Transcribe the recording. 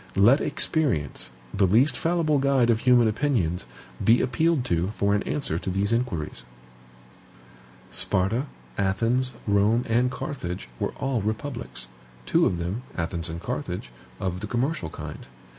Let experience, the least fallible guide of human opinions, be appealed to for an answer to these inquiries. Sparta, Athens, Rome, and Carthage were all republics; two of them, Athens and Carthage, of the commercial kind.